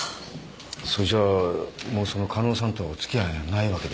それじゃもうその加納さんとはお付き合いがないわけですか。